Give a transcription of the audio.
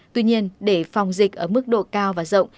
tuy nhiên để phòng dịch ở mức độ cao và rộng